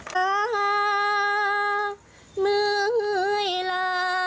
ตาเหมือยละ